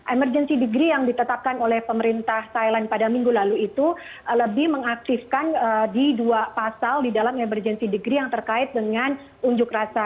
emergency degree yang ditetapkan oleh pemerintah thailand pada minggu lalu itu lebih mengaktifkan di dua pasal di dalam emergency degree yang terkait dengan unjuk rasa